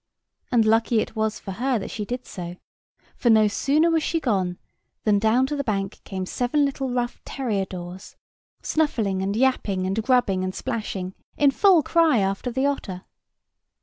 And lucky it was for her that she did so; for no sooner was she gone, than down the bank came seven little rough terrier doors, snuffing and yapping, and grubbing and splashing, in full cry after the otter.